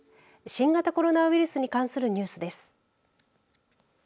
新型コロナウイルスに関するニュースです。